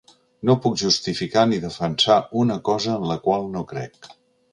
No puc justificar ni defensar una cosa en la qual no crec.